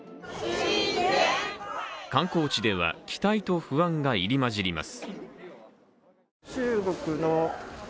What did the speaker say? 観光地では、期待と不安が入り交じります。